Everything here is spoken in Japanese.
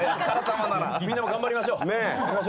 みんなも頑張りましょう。